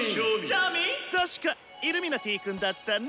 確かイルミナティくんだったね！